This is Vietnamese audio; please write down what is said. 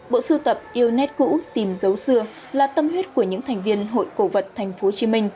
bộ sưu tập yêu nét cũ tìm dấu xưa là tâm huyết của những thành viên hội cổ vật tp hcm